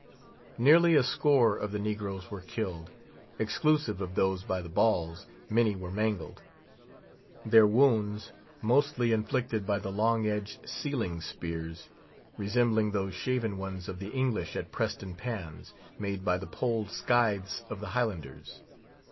Nearly a score of the negroes were killed. Exclusive of those by the balls, many were mangled; their wounds—mostly inflicted by the long edged sealing spears, resembling those shaven ones of the English at Preston Pans, made by the poled scythes of the Highlanders.